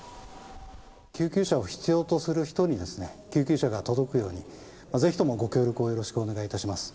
救急車を必要とする人に、救急車が届くように、ぜひともご協力をよろしくお願いいたします。